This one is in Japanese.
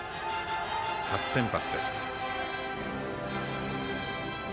初先発です。